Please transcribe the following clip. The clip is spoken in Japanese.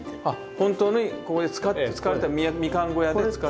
本当にここで使われてたみかん小屋で使われた。